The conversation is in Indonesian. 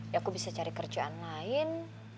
ya aku bisa cari kerjaan lain